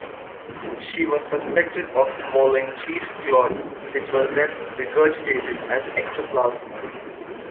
She was suspected of swallowing cheesecloth which was then regurgitated as "ectoplasm".